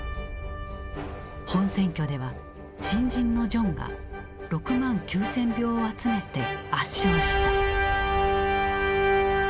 本選挙では新人のジョンが６万９，０００票を集めて圧勝した。